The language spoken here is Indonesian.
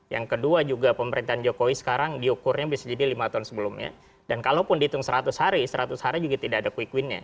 yang kedua juga pemerintahan jokowi sekarang diukurnya bisa jadi lima tahun sebelumnya dan kalaupun dihitung seratus hari seratus hari juga tidak ada quick win nya